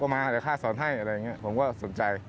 มองว่าลุงเป็อน่ารักพูดด้วยและสนุก